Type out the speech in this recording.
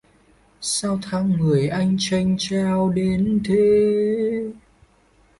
Sao tháng mười anh chênh chao đến thế!